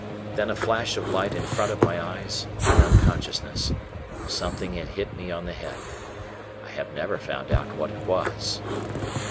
Then a flash of light in front of my eyes and unconsciousness. Something had hit me on the head. I have never found out what it was.